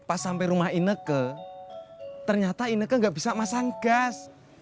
pas sampai rumah ineke ternyata ineke gak bisa masang gas